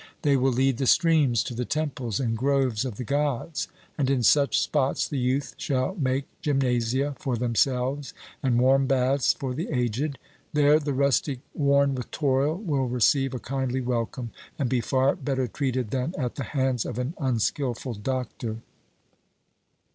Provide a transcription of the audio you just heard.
They will lead the streams to the temples and groves of the Gods; and in such spots the youth shall make gymnasia for themselves, and warm baths for the aged; there the rustic worn with toil will receive a kindly welcome, and be far better treated than at the hands of an unskilful doctor.